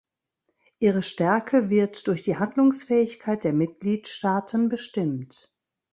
Ihre Stärke wird durch die Handlungsfähigkeit der Mitgliedstaaten bestimmt.